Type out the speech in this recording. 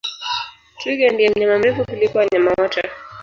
Twiga ndiye mnyama mrefu kuliko wanyama wote